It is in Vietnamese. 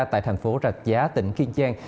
tại thành phố rạch giá tỉnh kiên giang